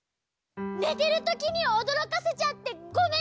ねてるときにおどろかせちゃってごめんなさい！